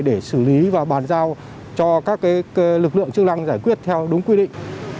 để xử lý và bàn giao cho các lực lượng chức năng giải quyết theo đúng quy định